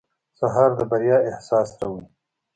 سهار د بریا احساس راوړي.